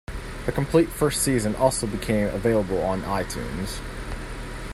The complete first season also became available on iTunes.